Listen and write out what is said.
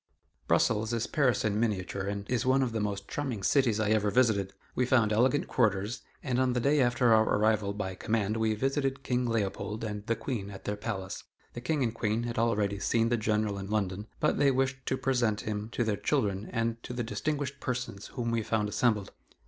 '" Brussels is Paris in miniature and is one of the most charming cities I ever visited. We found elegant quarters, and the day after our arrival by command we visited King Leopold and the Queen at their palace. The King and Queen had already seen the General in London, but they wished to present him to their children and to the distinguished persons whom we found assembled.